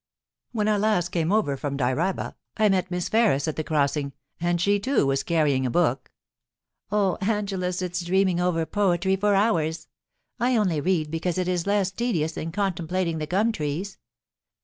When I last came over from Dyraaba, I met Miss Ferris at the crossing, and she too was carrying a book.' * Oh, Angela sits dreaming over poetry for hours. I only read because it is less tedious than contemplating the gum trees.